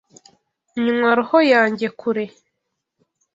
nywa roho yanjye kure